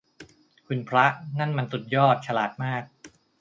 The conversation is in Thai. คุณพระ นั่นมันสุดยอด ฉลาดมาก